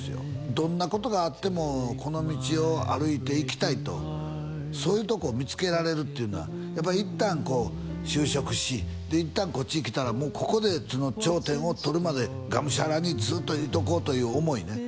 どんなことがあってもこの道を歩いていきたいとそういうとこを見つけられるっていうのはやっぱりいったんこう就職しいったんこっちへ来たらもうここで頂点を取るまでがむしゃらにずっといとこうという思いね